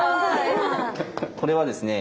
これはですね